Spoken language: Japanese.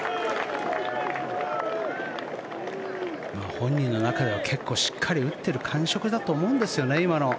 本人の中では結構しっかり打ってる感触だと思うんですよね。